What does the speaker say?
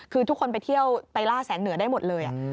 คือทุกคนไปเที่ยวไปล่าแสงเหนือได้หมดเลย